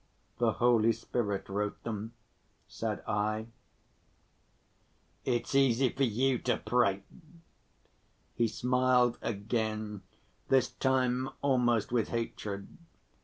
"The Holy Spirit wrote them," said I. "It's easy for you to prate," he smiled again, this time almost with hatred.